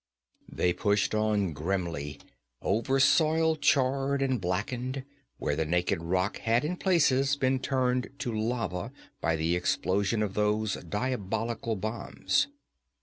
They pushed on grimly, over soil charred and blackened, where the naked rock had in places been turned to lava by the explosion of those diabolical bombs.